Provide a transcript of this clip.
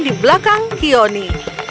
di belakang qioni